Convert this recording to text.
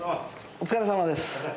お疲れさまです。